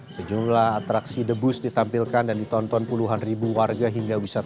sejumlah atraksi debus ditampilkan dan ditonton puluhan ribu warga hingga wisatawan